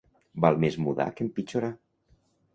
Val més mudar que empitjorar.